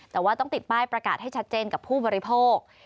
แต่ว่าต้องติดป้ายประกาศให้ชัดเจนกับผู้บริโภค